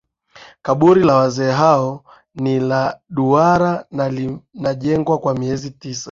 Kaburi la Wazee hao ni la duara na linajengwa kwa miezi tisa